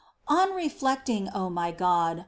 On reflecting, O my God !